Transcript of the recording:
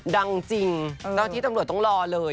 ดังจริงเจ้าที่ตำรวจต้องรอเลย